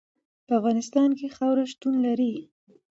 په افغانستان کې خاوره شتون لري.